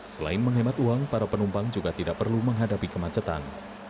selain menghemat uang para penumpang juga tidak perlu menghadapi kemacetan